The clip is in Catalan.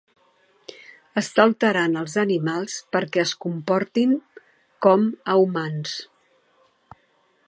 Està alterant els animals perquè es comportin com a humans.